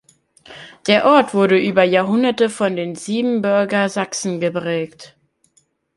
Der Ort wurde über Jahrhunderte von den Siebenbürger Sachsen geprägt.